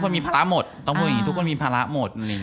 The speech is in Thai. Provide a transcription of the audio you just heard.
มีภาระหมดต้องพูดอย่างนี้ทุกคนมีภาระหมด